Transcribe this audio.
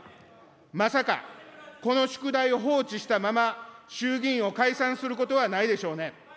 まさかこの宿題を放置したまま、衆議院を解散することはないでしょうね。